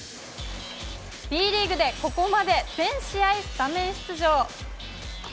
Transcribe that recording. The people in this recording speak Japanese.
Ｂリーグでここまで全試合スタメン出場。